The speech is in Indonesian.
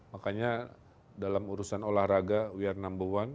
makanya dalam urusan olahraga we are number one